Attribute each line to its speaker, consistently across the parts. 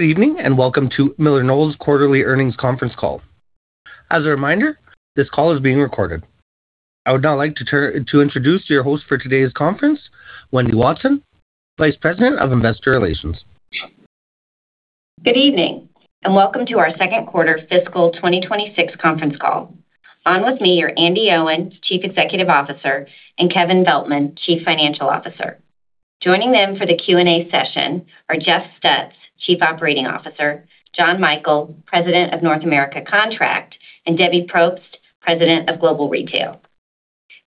Speaker 1: Good evening and welcome to MillerKnoll's Quarterly Earnings Conference Call. As a reminder, this call is being recorded. I would now like to introduce your host for today's conference, Wendy Watson, Vice President of Investor Relations.
Speaker 2: Good evening and welcome to our second quarter fiscal 2026 conference call. On with me are Andi Owen, Chief Executive Officer, and Kevin Veltman, Chief Financial Officer. Joining them for the Q&A session are Jeff Stutz, Chief Operating Officer; John Michael, President of North America Contract; and Debbie Propst, President of Global Retail.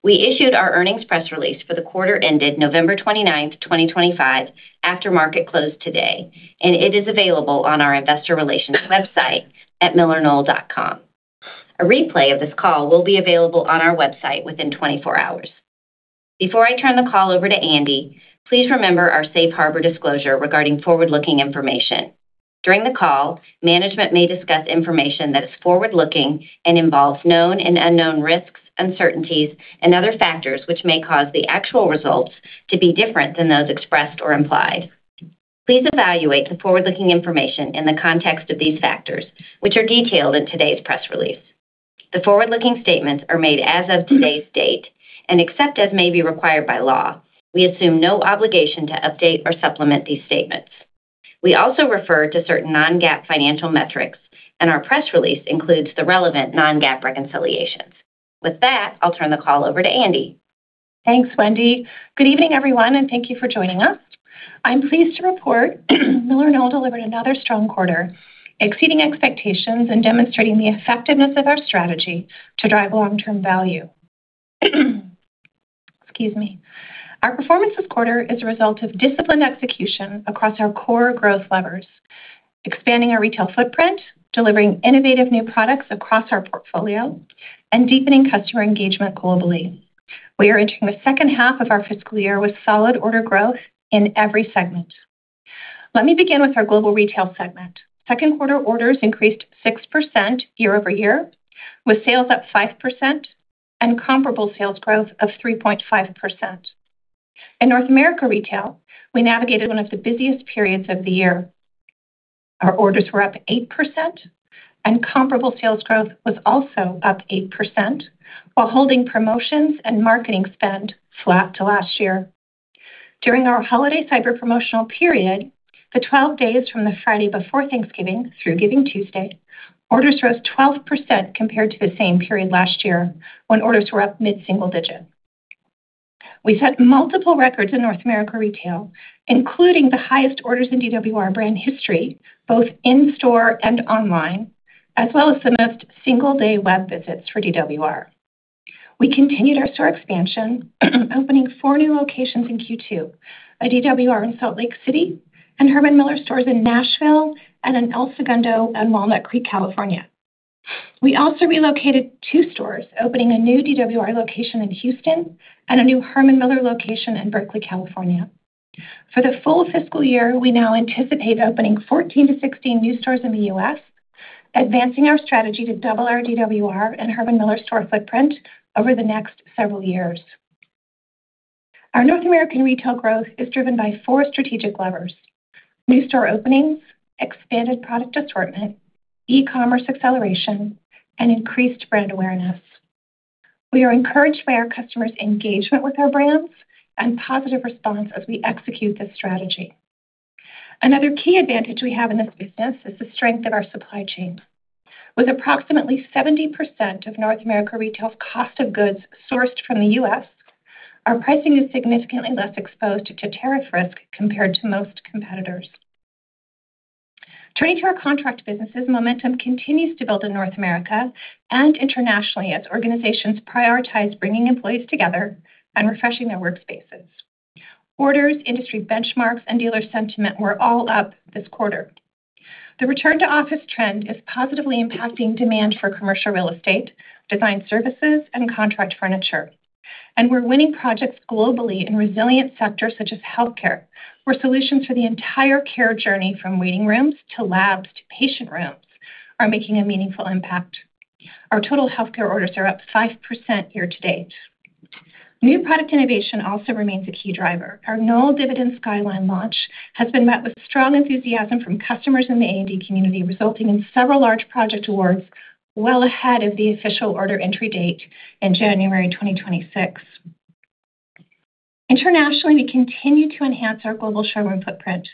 Speaker 2: We issued our earnings press release for the quarter ended November 29, 2025, after market close today, and it is available on our investor relations website at millerknoll.com. A replay of this call will be available on our website within 24 hours. Before I turn the call over to Andi, please remember our safe harbor disclosure regarding forward-looking information. During the call, management may discuss information that is forward-looking and involves known and unknown risks, uncertainties, and other factors which may cause the actual results to be different than those expressed or implied. Please evaluate the forward-looking information in the context of these factors, which are detailed in today's press release. The forward-looking statements are made as of today's date and, except as may be required by law, we assume no obligation to update or supplement these statements. We also refer to certain non-GAAP financial metrics, and our press release includes the relevant non-GAAP reconciliations. With that, I'll turn the call over to Andi.
Speaker 3: Thanks, Wendy. Good evening, everyone, and thank you for joining us. I'm pleased to report MillerKnoll delivered another strong quarter, exceeding expectations and demonstrating the effectiveness of our strategy to drive long-term value. Excuse me. Our performance this quarter is a result of disciplined execution across our core growth levers, expanding our retail footprint, delivering innovative new products across our portfolio, and deepening customer engagement globally. We are entering the second half of our fiscal year with solid order growth in every segment. Let me begin with our global retail segment. Second quarter orders increased 6% year-over-year, with sales up 5% and comparable sales growth of 3.5%. In North America retail, we navigated one of the busiest periods of the year. Our orders were up 8%, and comparable sales growth was also up 8%, while holding promotions and marketing spend flat to last year. During our holiday cyber promotional period, the 12 days from the Friday before Thanksgiving through Giving Tuesday, orders rose 12% compared to the same period last year, when orders were up mid-single digit. We set multiple records in North America retail, including the highest orders in DWR brand history, both in store and online, as well as the most single-day web visits for DWR. We continued our store expansion, opening four new locations in Q2, a DWR in Salt Lake City, and Herman Miller stores in Nashville and in El Segundo and Walnut Creek, California. We also relocated two stores, opening a new DWR location in Houston and a new Herman Miller location in Berkeley, California. For the full fiscal year, we now anticipate opening 14-16 new stores in the U.S., advancing our strategy to double our DWR and Herman Miller store footprint over the next several years. Our North American retail growth is driven by four strategic levers: new store openings, expanded product assortment, e-commerce acceleration, and increased brand awareness. We are encouraged by our customers' engagement with our brands and positive response as we execute this strategy. Another key advantage we have in this business is the strength of our supply chain. With approximately 70% of North America retail's cost of goods sourced from the U.S., our pricing is significantly less exposed to tariff risk compared to most competitors. Turning to our contract businesses, momentum continues to build in North America and internationally as organizations prioritize bringing employees together and refreshing their workspaces. Orders, industry benchmarks, and dealer sentiment were all up this quarter. The return-to-office trend is positively impacting demand for commercial real estate, design services, and contract furniture. And we're winning projects globally in resilient sectors such as healthcare, where solutions for the entire care journey from waiting rooms to labs to patient rooms are making a meaningful impact. Our total healthcare orders are up 5% year-to-date. New product innovation also remains a key driver. Our Knoll Dividend Skyline launch has been met with strong enthusiasm from customers in the A&D community, resulting in several large project awards well ahead of the official order entry date in January 2026. Internationally, we continue to enhance our global showroom footprint.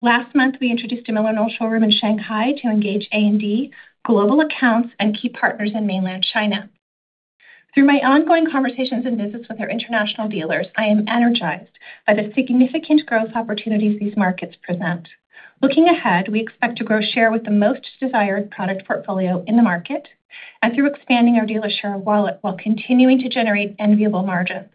Speaker 3: Last month, we introduced a MillerKnoll showroom in Shanghai to engage A&D, global accounts, and key partners in mainland China. Through my ongoing conversations and visits with our international dealers, I am energized by the significant growth opportunities these markets present. Looking ahead, we expect to grow share with the most desired product portfolio in the market and through expanding our dealer share of wallet while continuing to generate enviable margins.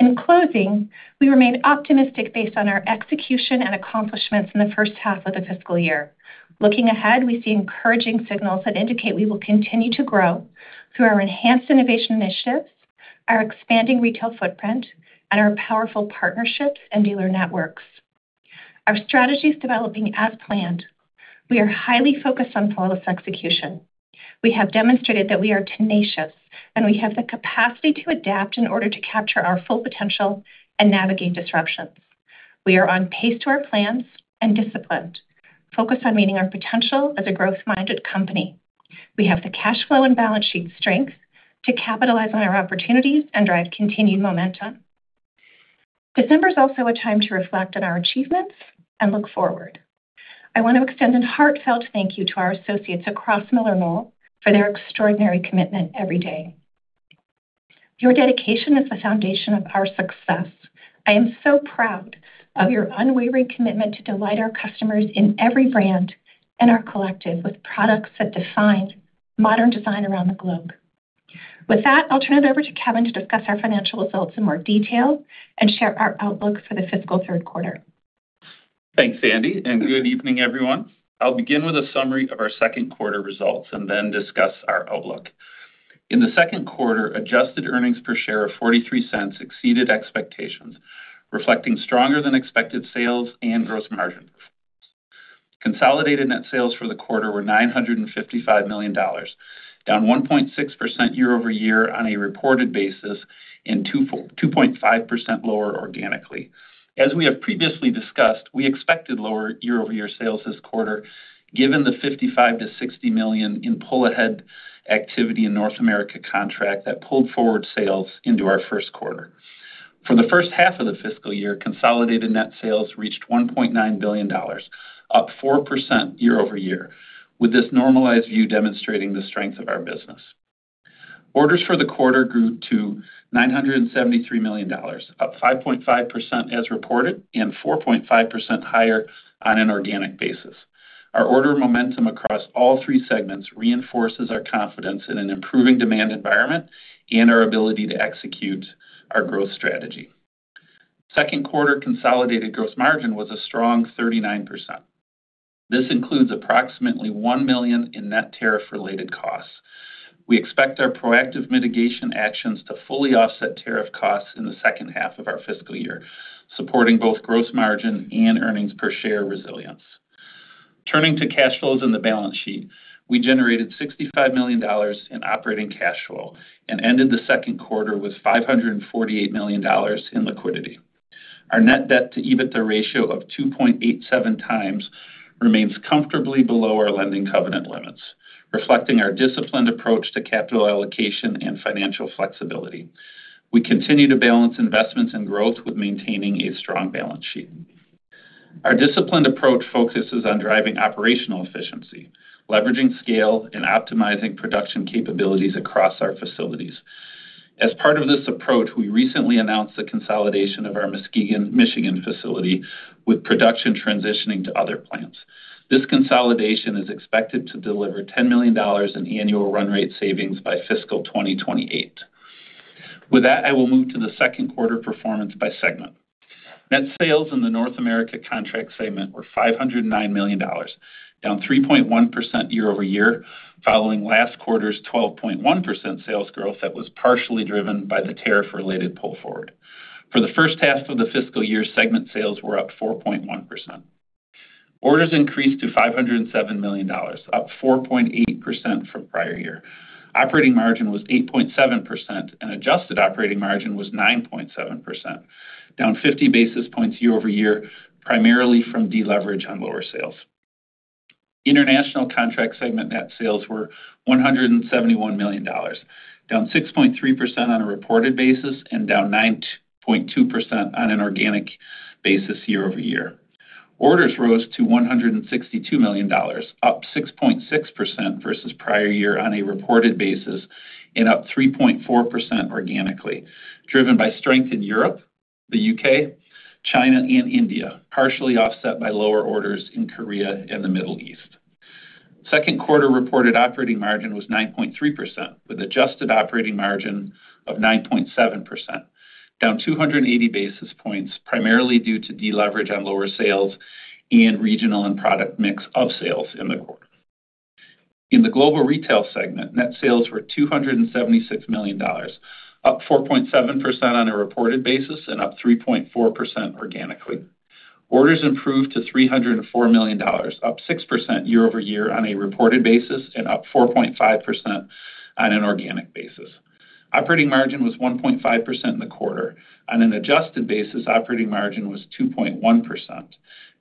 Speaker 3: In closing, we remain optimistic based on our execution and accomplishments in the first half of the fiscal year. Looking ahead, we see encouraging signals that indicate we will continue to grow through our enhanced innovation initiatives, our expanding retail footprint, and our powerful partnerships and dealer networks. Our strategy is developing as planned. We are highly focused on flawless execution. We have demonstrated that we are tenacious and we have the capacity to adapt in order to capture our full potential and navigate disruptions. We are on pace to our plans and disciplined, focused on meeting our potential as a growth-minded company. We have the cash flow and balance sheet strength to capitalize on our opportunities and drive continued momentum. December is also a time to reflect on our achievements and look forward. I want to extend a heartfelt thank you to our associates across MillerKnoll for their extraordinary commitment every day. Your dedication is the foundation of our success. I am so proud of your unwavering commitment to delight our customers in every brand and our collective with products that define modern design around the globe. With that, I'll turn it over to Kevin to discuss our financial results in more detail and share our outlook for the fiscal third quarter.
Speaker 4: Thanks, Andi, and good evening, everyone. I'll begin with a summary of our second quarter results and then discuss our outlook. In the second quarter, adjusted earnings per share of $0.43 exceeded expectations, reflecting stronger-than-expected sales and gross margin performance. Consolidated net sales for the quarter were $955 million, down 1.6% year-over-year on a reported basis and 2.5% lower organically. As we have previously discussed, we expected lower year-over-year sales this quarter, given the $55-$60 million in pull-ahead activity in North America contract that pulled forward sales into our first quarter. For the first half of the fiscal year, consolidated net sales reached $1.9 billion, up 4% year-over-year, with this normalized view demonstrating the strength of our business. Orders for the quarter grew to $973 million, up 5.5% as reported and 4.5% higher on an organic basis. Our order momentum across all three segments reinforces our confidence in an improving demand environment and our ability to execute our growth strategy. Second quarter consolidated gross margin was a strong 39%. This includes approximately $1 million in net tariff-related costs. We expect our proactive mitigation actions to fully offset tariff costs in the second half of our fiscal year, supporting both gross margin and earnings per share resilience. Turning to cash flows in the balance sheet, we generated $65 million in operating cash flow and ended the second quarter with $548 million in liquidity. Our net debt-to-EBITDA ratio of 2.87x remains comfortably below our lending covenant limits, reflecting our disciplined approach to capital allocation and financial flexibility. We continue to balance investments and growth with maintaining a strong balance sheet. Our disciplined approach focuses on driving operational efficiency, leveraging scale, and optimizing production capabilities across our facilities. As part of this approach, we recently announced the consolidation of our Muskegon, Michigan facility, with production transitioning to other plants. This consolidation is expected to deliver $10 million in annual run rate savings by fiscal 2028. With that, I will move to the second quarter performance by segment. Net sales in the North America contract segment were $509 million, down 3.1% year-over-year, following last quarter's 12.1% sales growth that was partially driven by the tariff-related pull forward. For the first half of the fiscal year, segment sales were up 4.1%. Orders increased to $507 million, up 4.8% from prior year. Operating margin was 8.7%, and adjusted operating margin was 9.7%, down 50 basis points year-over-year, primarily from deleverage on lower sales. International contract segment net sales were $171 million, down 6.3% on a reported basis and down 9.2% on an organic basis year-over-year. Orders rose to $162 million, up 6.6% versus prior year on a reported basis and up 3.4% organically, driven by strength in Europe, the U.K., China, and India, partially offset by lower orders in Korea and the Middle East. Second quarter reported operating margin was 9.3%, with adjusted operating margin of 9.7%, down 280 basis points, primarily due to deleverage on lower sales and regional and product mix of sales in the quarter. In the global retail segment, net sales were $276 million, up 4.7% on a reported basis and up 3.4% organically. Orders improved to $304 million, up 6% year-over-year on a reported basis and up 4.5% on an organic basis. Operating margin was 1.5% in the quarter. On an adjusted basis, operating margin was 2.1%,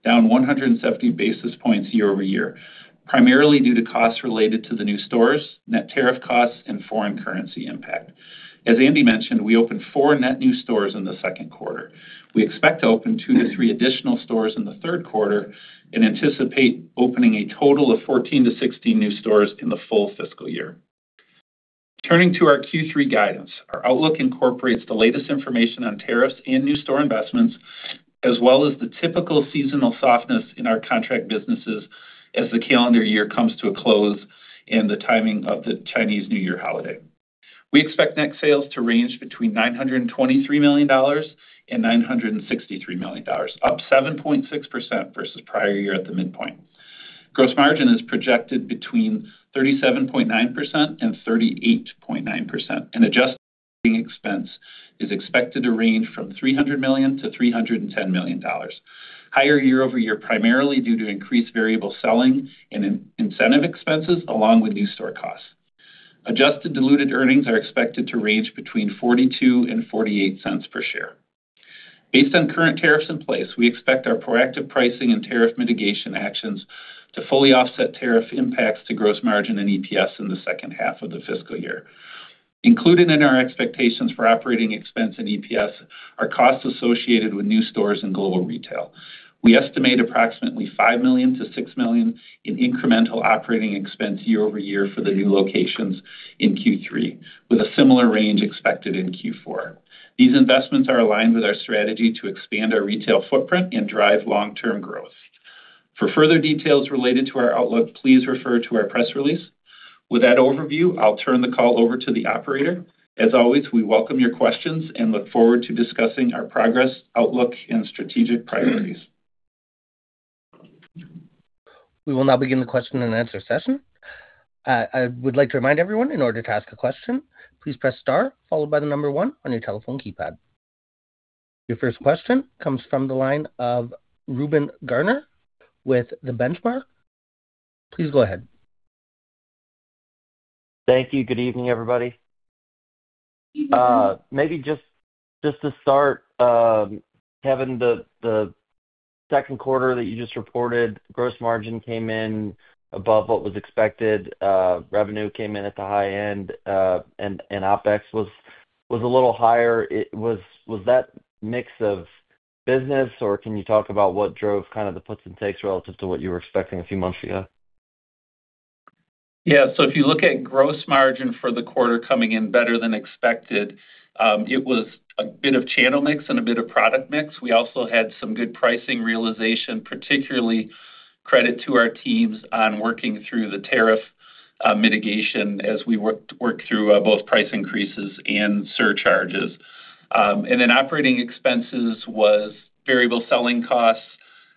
Speaker 4: down 170 basis points year-over-year, primarily due to costs related to the new stores, net tariff costs, and foreign currency impact. As Andi mentioned, we opened four net new stores in the second quarter. We expect to open two to three additional stores in the third quarter and anticipate opening a total of 14 to 16 new stores in the full fiscal year. Turning to our Q3 guidance, our outlook incorporates the latest information on tariffs and new store investments, as well as the typical seasonal softness in our contract businesses as the calendar year comes to a close and the timing of the Chinese New Year holiday. We expect net sales to range between $923 million and $963 million, up 7.6% versus prior year at the midpoint. Gross margin is projected between 37.9% and 38.9%, and adjusted operating expense is expected to range from $300 million-$310 million, higher year-over-year, primarily due to increased variable selling and incentive expenses, along with new store costs. Adjusted diluted earnings are expected to range between $0.42 and $0.48 per share. Based on current tariffs in place, we expect our proactive pricing and tariff mitigation actions to fully offset tariff impacts to gross margin and EPS in the second half of the fiscal year. Included in our expectations for operating expense and EPS are costs associated with new stores and global retail. We estimate approximately $5 million-$6 million in incremental operating expense year-over-year for the new locations in Q3, with a similar range expected in Q4. These investments are aligned with our strategy to expand our retail footprint and drive long-term growth. For further details related to our outlook, please refer to our press release. With that overview, I'll turn the call over to the operator. As always, we welcome your questions and look forward to discussing our progress, outlook, and strategic priorities.
Speaker 1: We will now begin the question-and-answer session. I would like to remind everyone, in order to ask a question, please press star, followed by the number one on your telephone keypad. Your first question comes from the line of Reuben Garner with The Benchmark. Please go ahead.
Speaker 5: Thank you. Good evening, everybody. Maybe just to start, Kevin, the second quarter that you just reported, gross margin came in above what was expected. Revenue came in at the high end, and OpEx was a little higher. Was that mix of business, or can you talk about what drove kind of the puts and takes relative to what you were expecting a few months ago?
Speaker 4: Yeah. So if you look at gross margin for the quarter coming in better than expected, it was a bit of channel mix and a bit of product mix. We also had some good pricing realization, particularly credit to our teams on working through the tariff mitigation as we worked through both price increases and surcharges. And then operating expenses was variable selling costs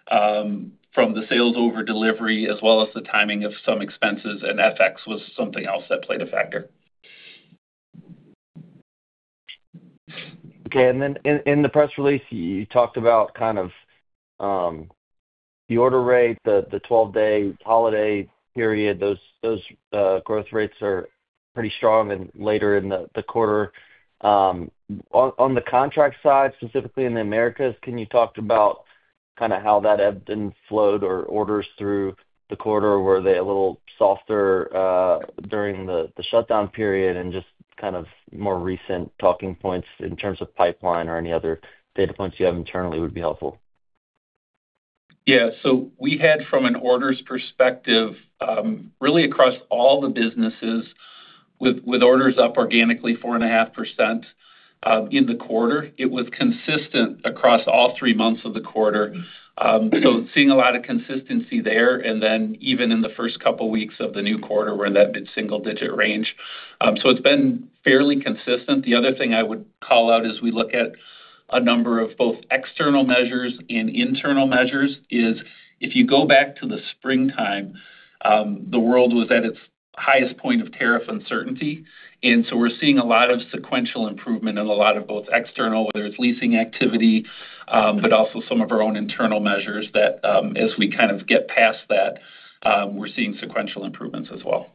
Speaker 4: from the sales over delivery, as well as the timing of some expenses, and FX was something else that played a factor.
Speaker 5: Okay. And then in the press release, you talked about kind of the order rate, the 12-day holiday period. Those growth rates are pretty strong later in the quarter. On the contract side, specifically in the Americas, can you talk about kind of how that ebbed and flowed or orders through the quarter? Were they a little softer during the shutdown period? And just kind of more recent talking points in terms of pipeline or any other data points you have internally would be helpful?
Speaker 4: Yeah. So we had, from an orders perspective, really across all the businesses, with orders up organically 4.5% in the quarter, it was consistent across all three months of the quarter. So seeing a lot of consistency there, and then even in the first couple of weeks of the new quarter we're in that mid-single-digit range. So it's been fairly consistent. The other thing I would call out as we look at a number of both external measures and internal measures is, if you go back to the springtime, the world was at its highest point of tariff uncertainty. And so we're seeing a lot of sequential improvement in a lot of both external, whether it's leasing activity, but also some of our own internal measures that, as we kind of get past that, we're seeing sequential improvements as well.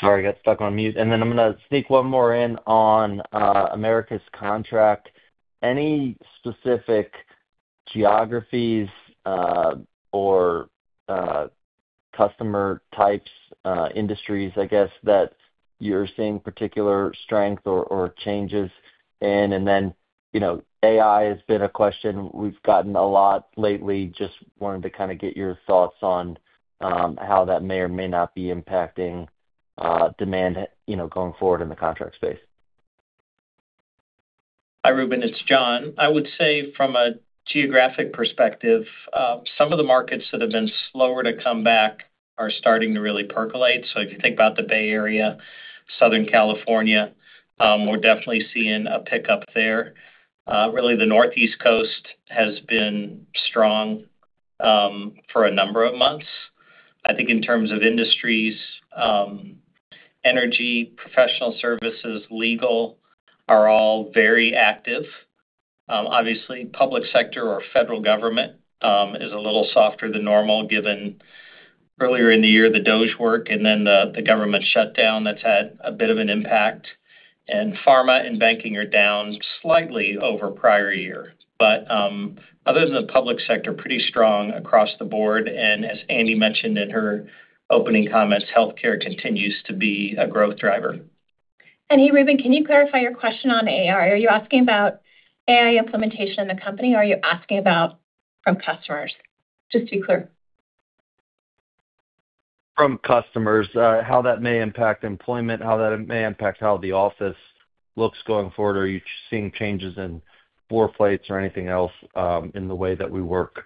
Speaker 5: Sorry, I got stuck on mute. And then I'm going to sneak one more in on Americas contract. Any specific geographies or customer types, industries, I guess, that you're seeing particular strength or changes in? And then AI has been a question. We've gotten a lot lately. Just wanted to kind of get your thoughts on how that may or may not be impacting demand going forward in the contract space.
Speaker 6: Hi, Reuben. It's John. I would say, from a geographic perspective, some of the markets that have been slower to come back are starting to really percolate, so if you think about the Bay Area, Southern California, we're definitely seeing a pickup there. Really, the Northeast Coast has been strong for a number of months. I think, in terms of industries, energy, professional services, legal are all very active. Obviously, public sector or federal government is a little softer than normal, given earlier in the year the DOGE work and then the government shutdown that's had a bit of an impact. And pharma and banking are down slightly over prior year. But other than the public sector, pretty strong across the board, and as Andi mentioned in her opening comments, healthcare continues to be a growth driver.
Speaker 3: Andi, Reuben, can you clarify your question on AI? Are you asking about AI implementation in the company, or are you asking about from customers? Just to be clear.
Speaker 5: From customers, how that may impact employment, how that may impact how the office looks going forward, or are you seeing changes in floor plates or anything else in the way that we work?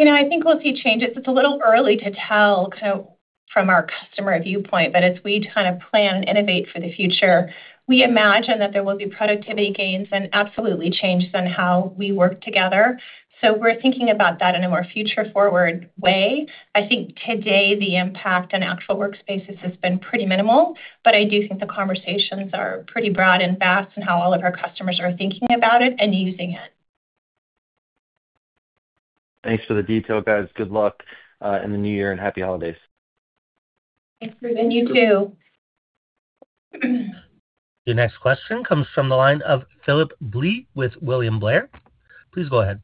Speaker 3: I think we'll see changes. It's a little early to tell kind of from our customer viewpoint, but as we kind of plan and innovate for the future, we imagine that there will be productivity gains and absolutely changes in how we work together, so we're thinking about that in a more future-forward way. I think, today, the impact on actual workspaces has been pretty minimal, but I do think the conversations are pretty broad and vast in how all of our customers are thinking about it and using it.
Speaker 5: Thanks for the detail, guys. Good luck in the new year and happy holidays.
Speaker 3: Thanks, Reuben. You too.
Speaker 1: Your next question comes from the line of Phillip Blee with William Blair. Please go ahead.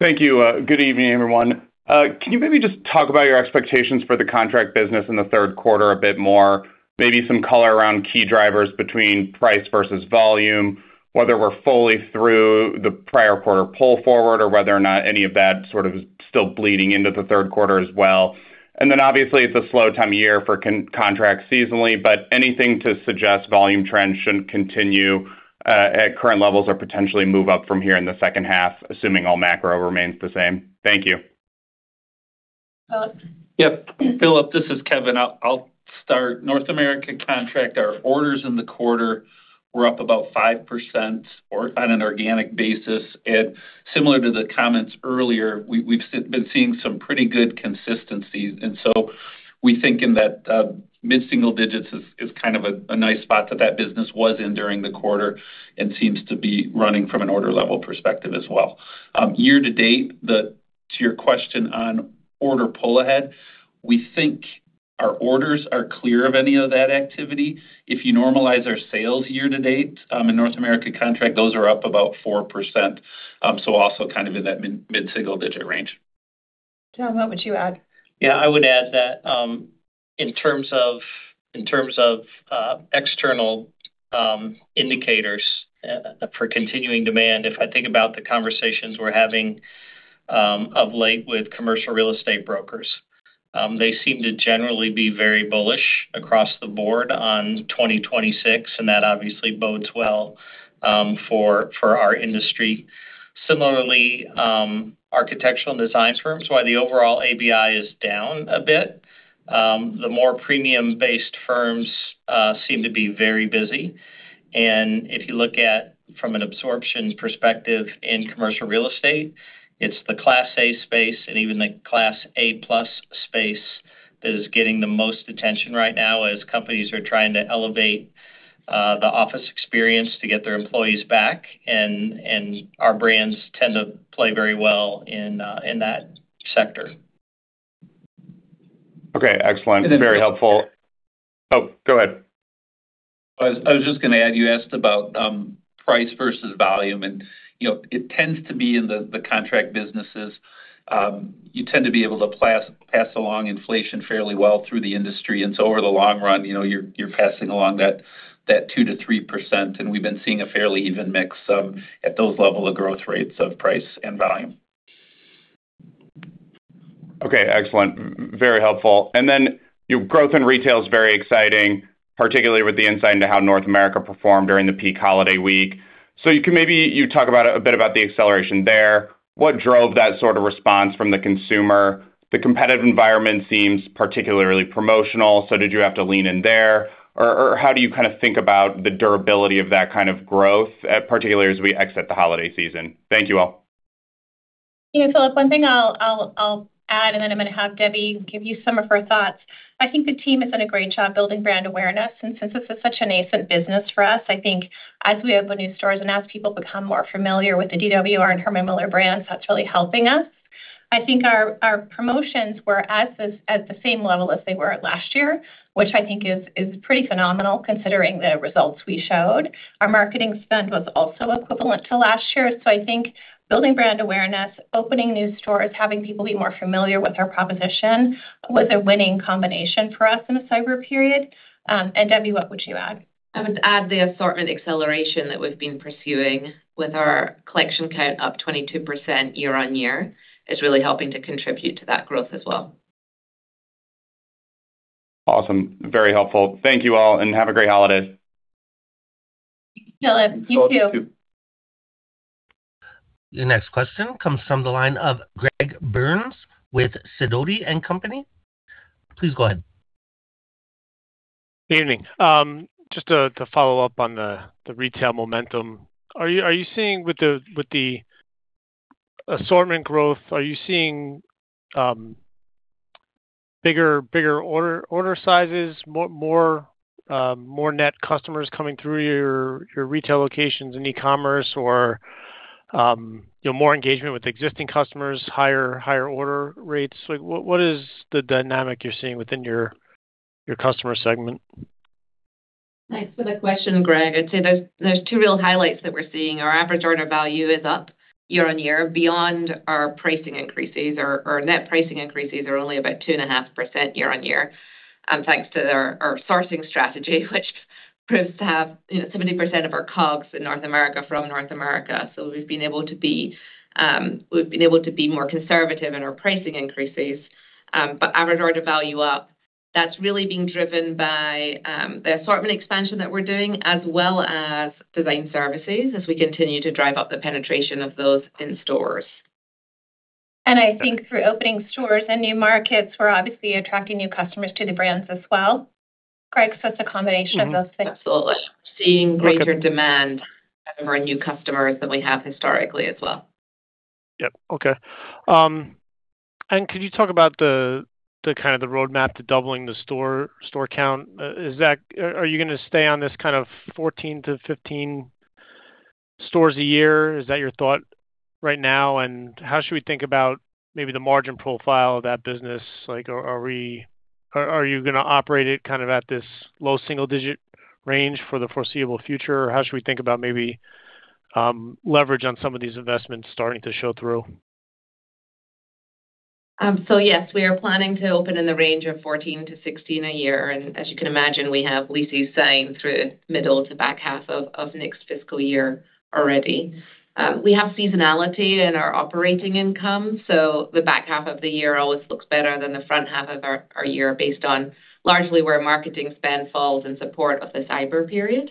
Speaker 7: Thank you. Good evening, everyone. Can you maybe just talk about your expectations for the contract business in the third quarter a bit more? Maybe some color around key drivers between price versus volume, whether we're fully through the prior quarter pull forward or whether or not any of that sort of is still bleeding into the third quarter as well? And then, obviously, it's a slow time of year for contracts seasonally, but anything to suggest volume trends shouldn't continue at current levels or potentially move up from here in the second half, assuming all macro remains the same. Thank you.
Speaker 4: Yep. Phillip, this is Kevin. I'll start. North America contract, our orders in the quarter were up about 5% on an organic basis. And similar to the comments earlier, we've been seeing some pretty good consistencies. And so we think in that mid-single digits is kind of a nice spot that that business was in during the quarter and seems to be running from an order-level perspective as well. Year-to-date, to your question on order pull ahead, we think our orders are clear of any of that activity. If you normalize our sales year-to-date in North America contract, those are up about 4%. So also kind of in that mid-single digit range.
Speaker 3: John, what would you add?
Speaker 6: Yeah. I would add that, in terms of external indicators for continuing demand, if I think about the conversations we're having of late with commercial real estate brokers, they seem to generally be very bullish across the board on 2026, and that obviously bodes well for our industry. Similarly, architectural and design firms, while the overall ABI is down a bit, the more premium-based firms seem to be very busy. And if you look at, from an absorption perspective in commercial real estate, it's the Class A space and even the Class A-plus space that is getting the most attention right now as companies are trying to elevate the office experience to get their employees back. And our brands tend to play very well in that sector.
Speaker 7: Okay. Excellent. Very helpful. Oh, go ahead.
Speaker 6: I was just going to add, you asked about price versus volume. And it tends to be in the contract businesses, you tend to be able to pass along inflation fairly well through the industry. And so, over the long run, you're passing along that 2%-3%. And we've been seeing a fairly even mix at those levels of growth rates of price and volume.
Speaker 7: Okay. Excellent. Very helpful. And then growth in retail is very exciting, particularly with the insight into how North America performed during the peak holiday week. So maybe you talk a bit about the acceleration there. What drove that sort of response from the consumer? The competitive environment seems particularly promotional. So did you have to lean in there? Or how do you kind of think about the durability of that kind of growth, particularly as we exit the holiday season? Thank you all.
Speaker 3: Phillip, one thing I'll add, and then I'm going to have Debbie give you some of her thoughts. I think the team has done a great job building brand awareness, and since this is such a nascent business for us, I think, as we open new stores and as people become more familiar with the DWR and Herman Miller brands, that's really helping us. I think our promotions were at the same level as they were last year, which I think is pretty phenomenal considering the results we showed. Our marketing spend was also equivalent to last year. So I think building brand awareness, opening new stores, having people be more familiar with our proposition was a winning combination for us in a cyber period, and Debbie, what would you add?
Speaker 8: I would add the assortment acceleration that we've been pursuing with our collection count up 22% year on year is really helping to contribute to that growth as well.
Speaker 7: Awesome. Very helpful. Thank you all, and have a great holiday.
Speaker 3: Phillip, you too.
Speaker 6: You too.
Speaker 1: Your next question comes from the line of Greg Burns with Sidoti & Company. Please go ahead.
Speaker 9: Good evening. Just to follow up on the retail momentum, are you seeing, with the assortment growth, are you seeing bigger order sizes, more net customers coming through your retail locations and e-commerce, or more engagement with existing customers, higher order rates? What is the dynamic you're seeing within your customer segment?
Speaker 8: Thanks for the question, Greg. I'd say there's two real highlights that we're seeing. Our average order value is up year-on-year, beyond our pricing increases. Our net pricing increases are only about 2.5% year-on-year, thanks to our sourcing strategy, which proves to have 70% of our COGS in North America from North America. So we've been able to be more conservative in our pricing increases. But average order value up, that's really being driven by the assortment expansion that we're doing, as well as design services, as we continue to drive up the penetration of those in stores.
Speaker 3: And I think, through opening stores and new markets, we're obviously attracting new customers to the brands as well. Greg, so it's a combination of those things.
Speaker 8: Absolutely. We're seeing greater demand of our new customers than we have historically as well.
Speaker 9: Yep. Okay. And can you talk about the kind of roadmap to doubling the store count? Are you going to stay on this kind of 14 to 15 stores a year? Is that your thought right now? And how should we think about maybe the margin profile of that business? Are you going to operate it kind of at this low single-digit range for the foreseeable future? How should we think about maybe leverage on some of these investments starting to show through?
Speaker 8: So yes, we are planning to open in the range of 14-16 a year. And as you can imagine, we have leases signed through middle to back half of next fiscal year already. We have seasonality in our operating income. So the back half of the year always looks better than the front half of our year based on largely where marketing spend falls in support of the cyber period.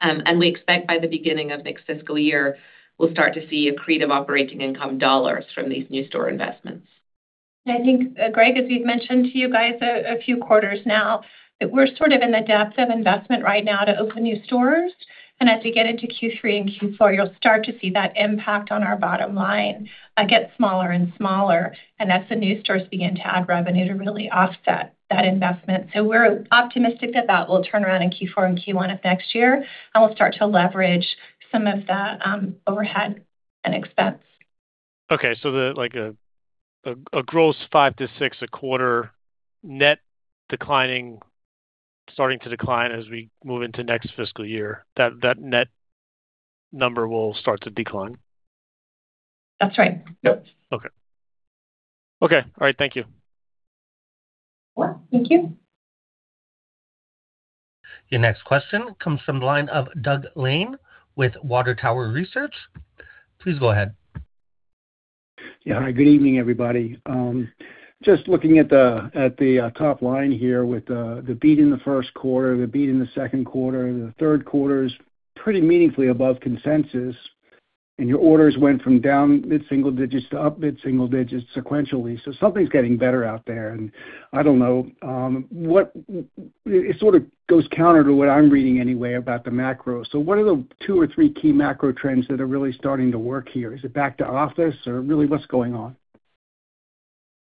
Speaker 8: And we expect, by the beginning of next fiscal year, we'll start to see incremental operating income dollars from these new store investments.
Speaker 3: And I think, Greg, as we've mentioned to you guys a few quarters now, we're sort of in the depth of investment right now to open new stores. And as we get into Q3 and Q4, you'll start to see that impact on our bottom line get smaller and smaller. And that's when new stores begin to add revenue to really offset that investment. So we're optimistic that that will turn around in Q4 and Q1 of next year, and we'll start to leverage some of that overhead and expense.
Speaker 9: Okay. So, a gross five to six a quarter, net declining, starting to decline as we move into next fiscal year. That net number will start to decline.
Speaker 8: That's right.
Speaker 9: Yep. Okay. Okay. All right. Thank you.
Speaker 3: Thank you.
Speaker 1: Your next question comes from the line of Doug Lane with Water Tower Research. Please go ahead.
Speaker 10: Yeah. Hi. Good evening, everybody. Just looking at the top line here with the beat in the first quarter, the beat in the second quarter, the third quarter is pretty meaningfully above consensus. And your orders went from down mid-single digits to up mid-single digits sequentially. So something's getting better out there. And I don't know. It sort of goes counter to what I'm reading anyway about the macro. So what are the two or three key macro trends that are really starting to work here? Is it back to office, or really, what's going on?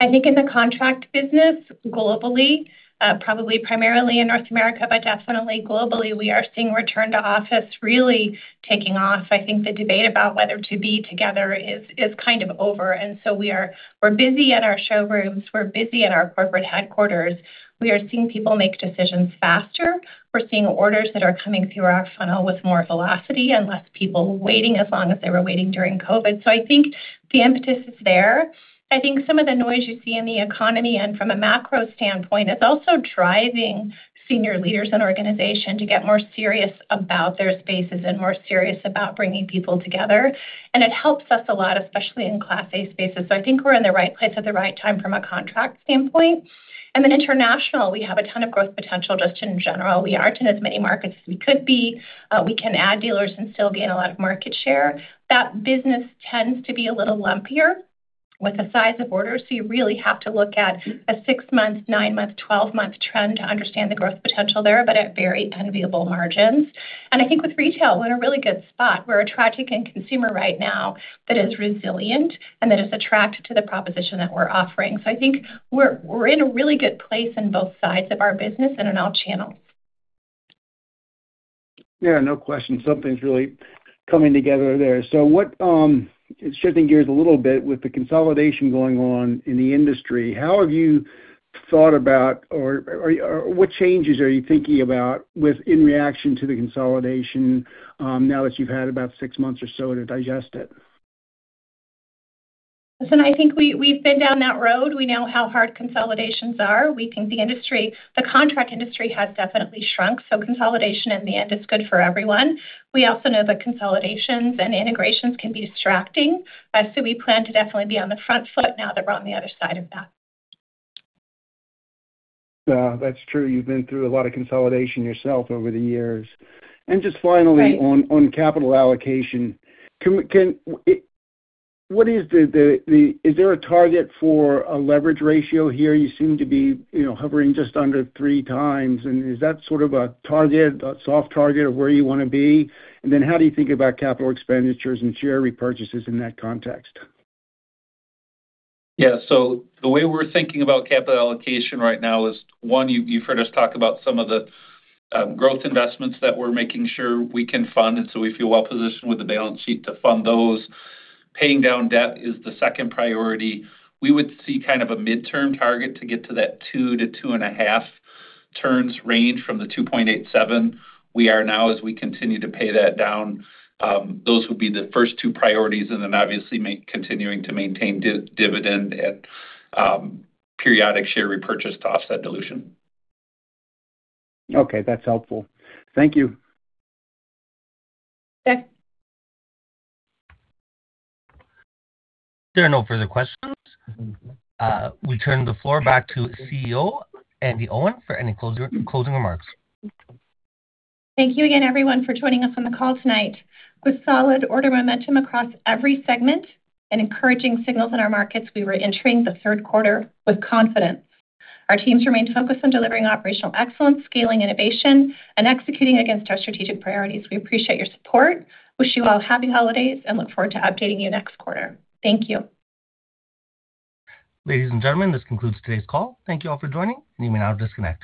Speaker 3: I think, in the contract business globally, probably primarily in North America, but definitely globally, we are seeing return to office really taking off. I think the debate about whether to be together is kind of over, and so we're busy at our showrooms. We're busy at our corporate headquarters. We are seeing people make decisions faster. We're seeing orders that are coming through our funnel with more velocity and less people waiting as long as they were waiting during COVID, so I think the impetus is there. I think some of the noise you see in the economy and from a macro standpoint is also driving senior leaders in organizations to get more serious about their spaces and more serious about bringing people together, and it helps us a lot, especially in Class A spaces. So I think we're in the right place at the right time from a contract standpoint. And then, international, we have a ton of growth potential just in general. We aren't in as many markets as we could be. We can add dealers and still gain a lot of market share. That business tends to be a little lumpier with the size of orders. So you really have to look at a six-month, nine-month, twelve-month trend to understand the growth potential there, but at very enviable margins. And I think, with retail, we're in a really good spot. We're a target end consumer right now that is resilient and that is attracted to the proposition that we're offering. So I think we're in a really good place on both sides of our business and in all channels.
Speaker 10: Yeah. No question. Something's really coming together there. So shifting gears a little bit with the consolidation going on in the industry, how have you thought about or what changes are you thinking about in reaction to the consolidation now that you've had about six months or so to digest it?
Speaker 3: Listen, I think we've been down that road. We know how hard consolidations are. We think the industry, the contract industry, has definitely shrunk. So consolidation, in the end, is good for everyone. We also know that consolidations and integrations can be distracting. So we plan to definitely be on the front foot now that we're on the other side of that.
Speaker 10: That's true. You've been through a lot of consolidation yourself over the years. And just finally, on capital allocation, what is, is there a target for a leverage ratio here? You seem to be hovering just under three times. And is that sort of a target, a soft target of where you want to be? And then how do you think about capital expenditures and share repurchases in that context?
Speaker 4: Yeah. So the way we're thinking about capital allocation right now is, one, you've heard us talk about some of the growth investments that we're making sure we can fund. And so we feel well-positioned with the balance sheet to fund those. Paying down debt is the second priority. We would see kind of a midterm target to get to that two to two and a half turns range from the 2.87 we are now as we continue to pay that down. Those would be the first two priorities. And then, obviously, continuing to maintain dividend and periodic share repurchase to offset dilution.
Speaker 10: Okay. That's helpful. Thank you.
Speaker 2: Okay.
Speaker 1: There are no further questions. We turn the floor back to CEO Andi Owen for any closing remarks.
Speaker 3: Thank you again, everyone, for joining us on the call tonight. With solid order momentum across every segment and encouraging signals in our markets, we were entering the third quarter with confidence. Our teams remained focused on delivering operational excellence, scaling innovation, and executing against our strategic priorities. We appreciate your support, wish you all happy holidays, and look forward to updating you next quarter. Thank you.
Speaker 1: Ladies and gentlemen, this concludes today's call. Thank you all for joining, and you may now disconnect.